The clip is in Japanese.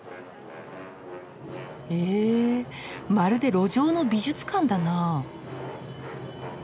えまるで路上の美術館だな。